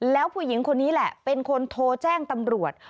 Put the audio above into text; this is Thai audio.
แล้วผู้หญิงคนนี้แหละเป็นคนโทรแจ้งตำรวจ